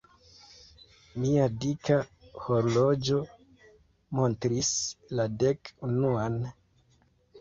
Mia dika horloĝo montris la dek-unuan.